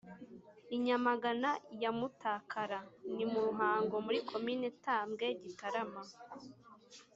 i nyamagana ya mutakara: ni mu ruhango( muri komini tambwe gitarama)